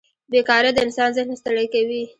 بېکارۍ د انسان ذهن ستړی کوي.